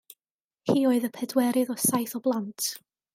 Hi oedd y pedwerydd o saith o blant.